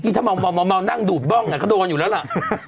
ถ้าเมานั่งดูดบ้องก็โดนอยู่แล้วล่ะ